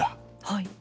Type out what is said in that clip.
はい。